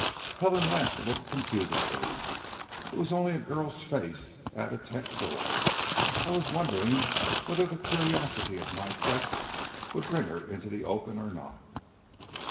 Helen laughed a little confusedly. "It was only a girl's face at a tent door. I was wondering whether the curiosity of my sex would bring her into the open or not."